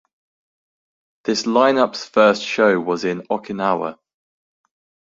This lineup's first show was in Okinawa.